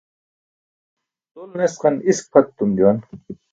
Tol nesqan isk pʰat etum juwan.